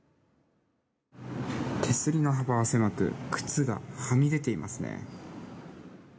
手すりの幅は狭く靴がはみ出ていますね。